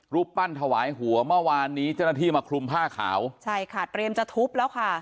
รูปปั้นถวายหัวเมื่อวานนี้เจ้าหน้าที่มาคลุมผ้าขาวใช่ค่ะเตรียมจะทุบแล้วค่ะ